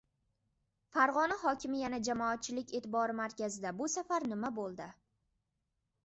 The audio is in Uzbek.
Farg‘ona hokimi yana jamoatchilik e’tibori markazida! Bu safar nima bo‘ldi?